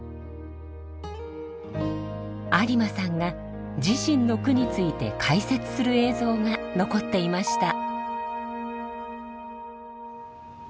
有馬さんが自身の句について解説する映像が残っていました。